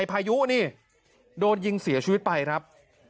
พายุนี่โดนยิงเสียชีวิตไปครับ